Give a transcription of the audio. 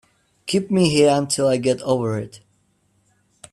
Keep me here until I get over it.